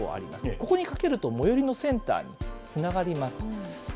ここにかけると、最寄りのセンターにつながります。